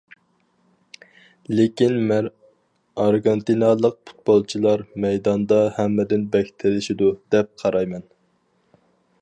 لېكىن مەن ئارگېنتىنالىق پۇتبولچىلار مەيداندا ھەممىدىن بەك تېرىشىدۇ دەپ قارايمەن.